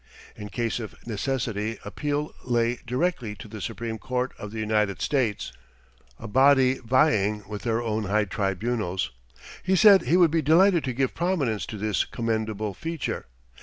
In case of necessity appeal lay directly to the Supreme Court of the United States, a body vying with their own high tribunals. He said he would be delighted to give prominence to this commendable feature.